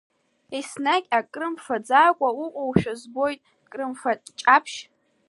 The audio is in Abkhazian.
Еснагь акрымфаӡакәа уҟоушәа збоит, крымфаҷаԥшь…